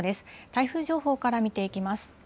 台風情報から見ていきます。